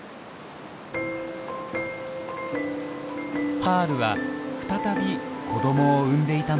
パールは再び子どもを産んでいたのです。